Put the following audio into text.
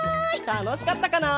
たのしかったかな？